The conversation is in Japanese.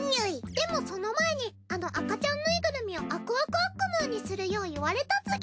でもその前にあの赤ちゃんぬいぐるみをあくあくあっくむーにするよう言われたつぎ。